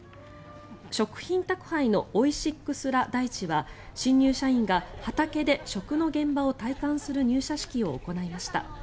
食品宅配のオイシックス・ラ・大地は新入社員が畑で食の現場を体感する入社式を行いました。